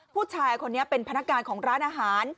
ผู้ชายคนนี้เป็นพนักงานของร้านอาหาร